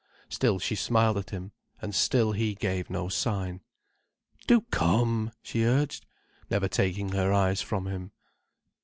Still she smiled at him, and still he gave no sign. "Do come!" she urged, never taking her eyes from him.